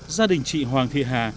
gia đình chị hoàng thị hà